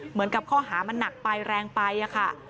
เหมือนกับข้อหามันหนักไปแรงไปอะค่ะ